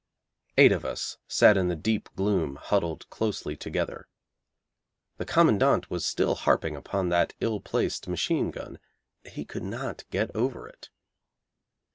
Eight of us sat in the deep gloom huddled closely together. The Commandant was still harping upon that ill placed machine gun. He could not get over it.